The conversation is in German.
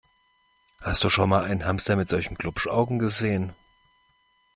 Hast du schon mal einen Hamster mit solchen Glupschaugen gesehen?